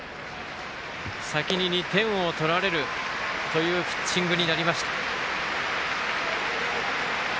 先に２点を取られるというピッチングになりました。